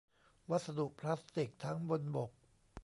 วัสดุพลาสติก ทั้งบนบก